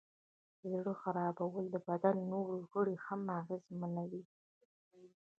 د زړه خرابوالی د بدن نور غړي هم اغېزمنوي.